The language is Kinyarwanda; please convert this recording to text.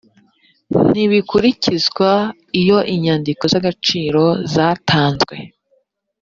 ntibikurikizwa iyo inyandiko z agaciro zatanzwe